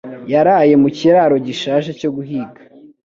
yaraye mu kiraro gishaje cyo guhiga